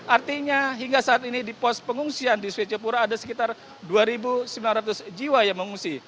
artinya hingga saat ini di pos pengungsian di swejepura ada sekitar dua sembilan ratus jiwa yang mengungsi